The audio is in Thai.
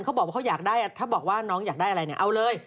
เขาบอกว่าเขาอยากได้ถ้าบอกว่าน้องอยากได้อะไรเนี่ยเอาเลย